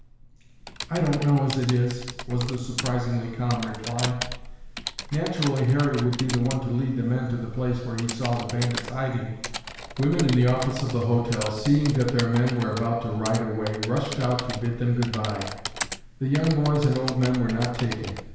"I don't know as it is," was the surprisingly calm reply. "Naturally Harry would be the one to lead the men to the place where he saw the bandits hiding." Women in the office of the hotel, seeing that their men were about to ride away, rushed out to bid them goodbye. The young boys and old men were not taken.